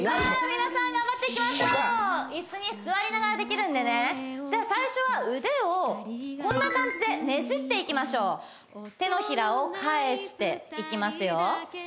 皆さん頑張っていきましょう椅子に座りながらできるんでねでは最初は腕をこんな感じでねじっていきましょう手のひらを返していきますよ